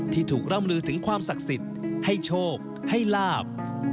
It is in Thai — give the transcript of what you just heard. ที่ถูกร่ำลือถึงความศักดิ์สิทธิ์ให้โชคให้ลาบ